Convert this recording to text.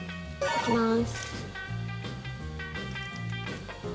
いきます。